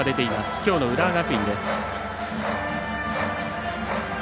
きょうの浦和学院です。